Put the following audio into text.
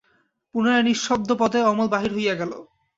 পুনরায় নিঃশব্দপদে অমল বাহির হইয়া গেল।